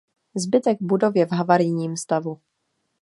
Zbytek budov je v havarijním stavu.